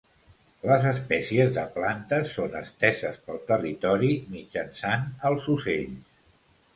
Les espècies de plantes són esteses pel territori mitjançant els ocells.